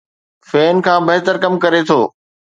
فين کان بهتر ڪم ڪري ٿو